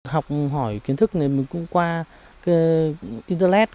học hỏi kiến thức mình cũng qua internet cũng có một số anh em bạn bè